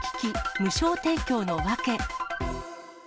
無償提供のワケ。